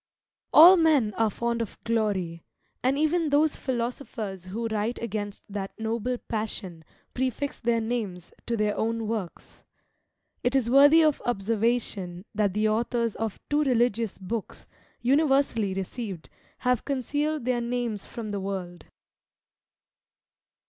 All men are fond of glory, and even those philosophers who write against that noble passion prefix their names to their own works. It is worthy of observation that the authors of two religious books, universally received, have concealed their names from the world.